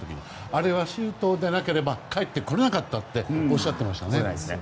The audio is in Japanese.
あれは周東でなければかえってこれなかったとおっしゃっていましたね。